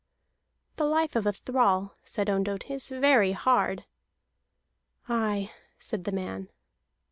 "The life of a thrall," said Ondott, "is very hard." "Aye," said the man.